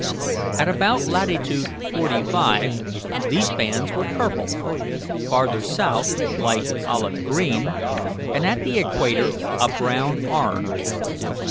At about latitude forty five these bands were purple, farther south light olive green, and at the equator a brown orange.